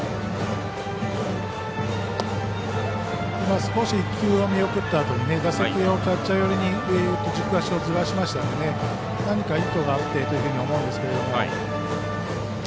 少し球を見送ったあとに打席をキャッチャー寄りに軸足をずらしましたので何か意図があってというふうに思うんですけど。